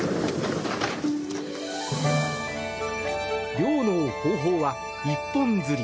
漁の方法は一本釣り。